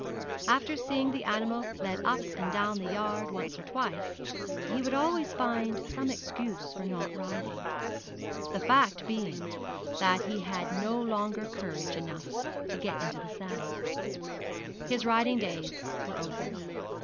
After seeing the animal led up and down the yard once or twice, he would always find some excuse for not riding; the fact being that he had no longer courage enough to get into the saddle. His riding days were over.